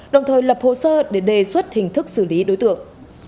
đồng thời lập hồ sơ để đề xuất hình thức xử lý đối tượng